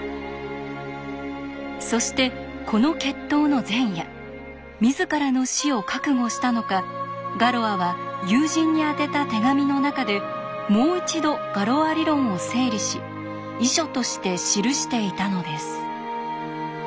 そしてこの決闘の前夜自らの死を覚悟したのかガロアは友人に宛てた手紙の中でもう一度ガロア理論を整理し遺書として記していたのです。